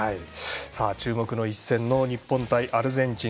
注目の一戦の日本対アルゼンチン。